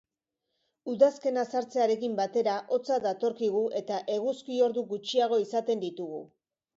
Udazkena sartzearekin batera, hotza datorkigu eta eguzki ordu gutxiago izaten ditugu.